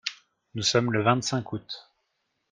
Nous sommes le vingt-cinq août.